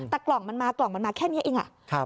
แต่กล่องมันมาแค่นี้อีก